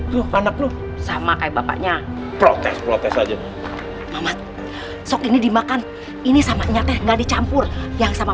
tuh anak lu sama kayak bapaknya protes protes aja sokin dimakan ini sama nyatanya dicampur yang sama